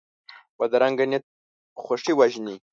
بدرنګه نیت خوښي وژني